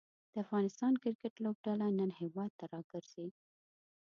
د افغانستان کریکټ لوبډله نن هیواد ته راګرځي.